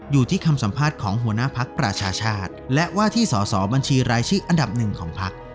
อยู่ที่คำสัมภาษณ์ของหัวหน้าพักประชาชาติและว่าที่สอสอบัญชีรายชื่ออันดับหนึ่งของพัก